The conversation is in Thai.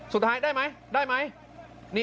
สุดท้ายได้ไหมได้ไหม